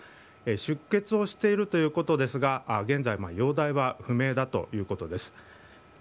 出血をしているということですが現在、容体は不明だということです。